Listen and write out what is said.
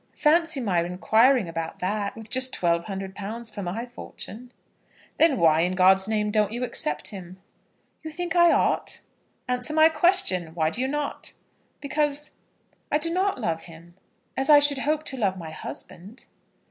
Fancy my inquiring about that, with just £1200 for my fortune." "Then why, in God's name, don't you accept him?" "You think I ought?" "Answer my question; why do you not?" "Because I do not love him as I should hope to love my husband."